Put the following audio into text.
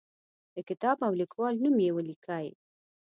د کتاب او لیکوال نوم یې ولیکئ.